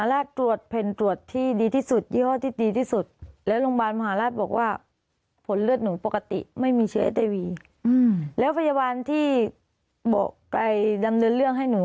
โรงพยาบาลที่ไปดำเนินเรื่องให้หนู